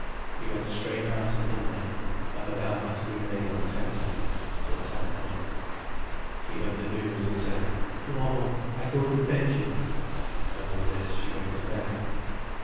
He went straight down to Lumley, and Madame had to remain on tenterhooks till ten o'clock. She heard the news, and said: "Tomorrow I go to fetch him." And with this she went to bed.